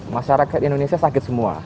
masyarakat indonesia sakit semua